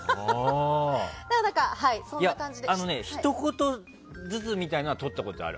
ひと言ずつみたいなのはとったことある。